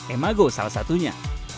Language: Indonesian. emago salah satunya